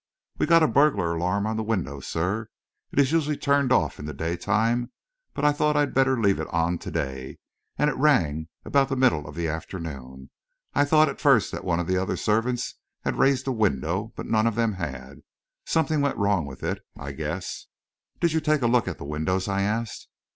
"We've got a burglar alarm on the windows, sir. It's usually turned off in the day time, but I thought I'd better leave it on to day, and it rang about the middle of the afternoon. I thought at first that one of the other servants had raised a window, but none of them had. Something went wrong with it, I guess." "Did you take a look at the windows?" I asked.